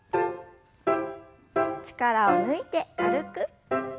力を抜いて軽く。